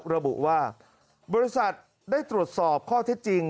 ระบุว่าบริษัทได้ตรวจสอบข้อเท็จจริง